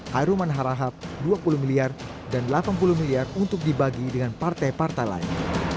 hairuman harahap dua puluh miliar dan delapan puluh miliar untuk dibagi dengan partai partai lain